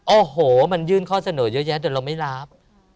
โอ้โหมันยื่นข้อเสนอเยอะแยะแต่เราไม่รับ